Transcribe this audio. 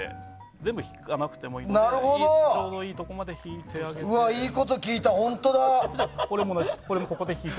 全部引かなくてもいいのでちょうどいいところまで引いていただいて。